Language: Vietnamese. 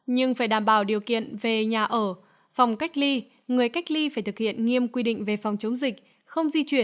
nhưng phải đảm bảo điều kiện về nhà ở phòng cách ly người cách ly phải thực hiện nghiêm quy định về phòng chống dịch